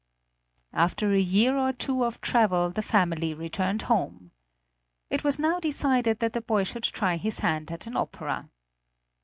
After a year or two of travel the family returned home. It was now decided that the boy should try his hand at an opera.